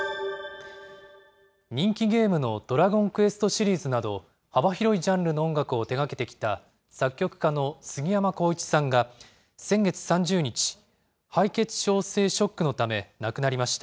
人気ゲームのドラゴンクエストシリーズなど、幅広いジャンルの音楽を手がけてきた作曲家のすぎやまこういちさんが、先月３０日、敗血症性ショックのため亡くなりました。